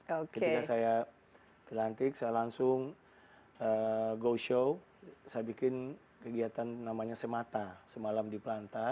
ketika saya dilantik saya langsung go show saya bikin kegiatan namanya semata semalam di planta